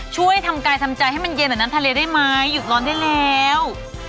ช่วยทำกายทำใจให้มันเย็นแบบนั้นทะเลได้ไหมหยุดร้อนได้แล้ว